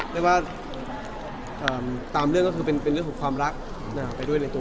เรียกว่าตามเรื่องก็คือเป็นเรื่องของความรักไปด้วยในตัว